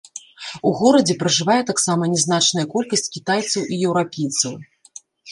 У горадзе пражывае таксама нязначная колькасць кітайцаў і еўрапейцаў.